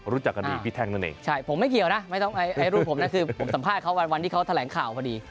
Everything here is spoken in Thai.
รู้จักกันดีพี่แท่งนั่นเองใช่ผมไม่เกี่ยวนะไม่ต้องไอ้รูปผมนะคือผมสัมภาษณ์เขาวันที่เขาแถลงข่าวพอดี